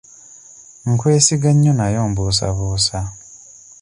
Nkwesiga nnyo naye ombuusabuusa.